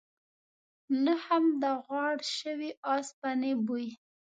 نه هم د غوړ شوي اوسپنې بوی.